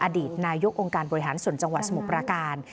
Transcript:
อดีตนายกองค์การบริหารส่วนจังหวัดสมุทรประการ